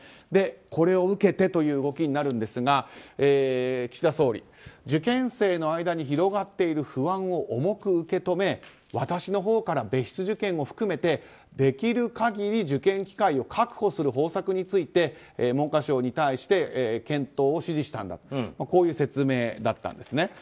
これを受けてという動きになるんですが岸田総理受験生の間に広がっている不安を重く受け止め、私のほうから別室受験を含めてできる限り受験機会を確保する方策について文科相に対して検討を指示したんだとこういう説明だったんですね。